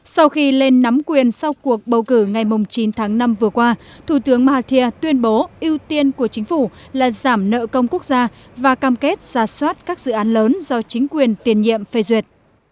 sau khi lên nắm quyền sau cuộc bầu cử ngày chín tháng năm vừa qua thủ tướng mahathir tuyên bố ưu tiên của chính phủ là giảm nợ công quốc gia và cam kết giả soát các dự án lớn do chính quyền tiền nhiệm phê duyệt